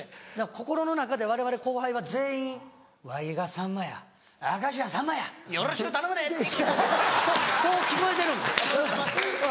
心の中でわれわれ後輩は全員「わいがさんまや明石家さんまやよろしく頼むで」ってそう聞こえてるんです。